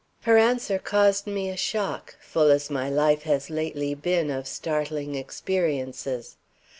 Her answer caused me a shock, full as my life has lately been of startling experiences.